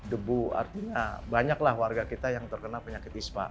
debu artinya banyaklah warga kita yang terkena penyakit ispa